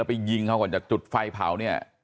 ไปยิงเขาก่อนจะจุดไฟเผาเนี่ย